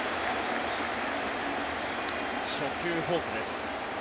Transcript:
初球、フォークです。